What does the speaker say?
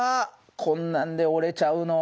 こんなんで折れちゃうの。